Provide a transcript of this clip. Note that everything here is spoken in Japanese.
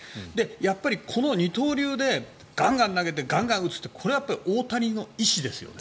やっぱりこの二刀流でガンガン投げてガンガン打つってこれは大谷の意思ですよね。